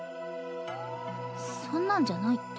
そんなんじゃないって。